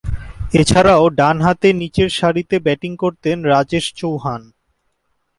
এছাড়াও, ডানহাতে নিচেরসারিতে ব্যাটিং করতেন রাজেশ চৌহান।